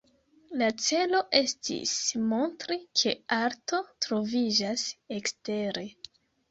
La celo estis montri ke arto troviĝas ekstere!